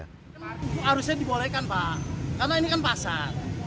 harusnya dibolehkan pak karena ini kan pasar